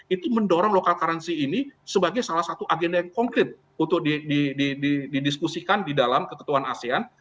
itu mendorong local currency ini sebagai salah satu agenda yang konkret untuk didiskusikan di dalam keketuan asean